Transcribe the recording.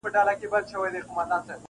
• ژوند لکه لمبه ده بقا نه لري -